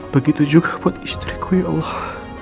begitu juga buat istriku ya allah